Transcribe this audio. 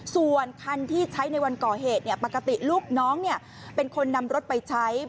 ส่วนคันที่ใช้ในวันก่อเหตุปกติลูกน้องเป็นคนนำรถไปใช้